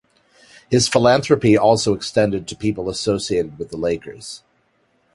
His philanthropy also extended to people associated with the Lakers.